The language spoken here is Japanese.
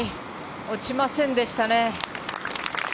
落ちませんでしたね。